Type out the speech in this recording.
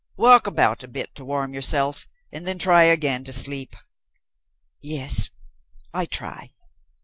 Walk about a bit to warm yourself and then try again to sleep." "Yes. I try."